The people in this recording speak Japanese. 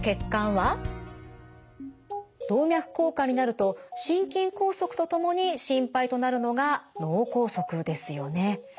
動脈硬化になると心筋梗塞とともに心配となるのが脳梗塞ですよね。